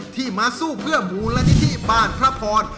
ที่มาสู้เพื่อมูลนิธิบ้านพระพร